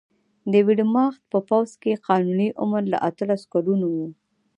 د ویرماخت په پوځ کې قانوني عمر له اتلسو کلونو و